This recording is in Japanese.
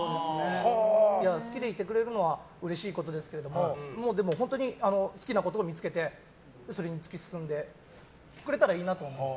好きでいてくれるのはうれしいことですけどでも本当に好きなことを見つけてそれに突き進んでくれたらいいなと思います。